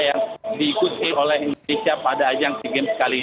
yang diikuti oleh indonesia pada ajang si game sekalit ini